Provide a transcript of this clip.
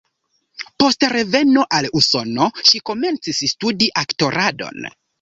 Post reveno al Usono, ŝi komencis studi aktoradon.